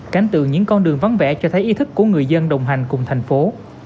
cánh tự những con đường vắng vẽ cho thấy ý thức của người dân đồng hành cùng thành phố